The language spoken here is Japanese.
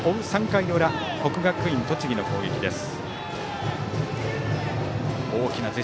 ３回の裏国学院栃木の攻撃です。